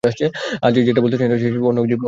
আজ সেটা বলতে চাই না, অন্য একদিন বলব।